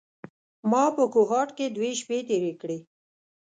ما په کوهاټ کې دوې شپې تېرې کړې.